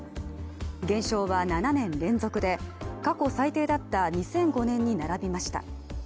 減少は７年連続で過去最低だった２００５年に並びました。